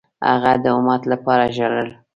هغه د امت لپاره ژړل.